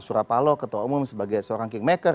surapalo ketua umum sebagai seorang kingmaker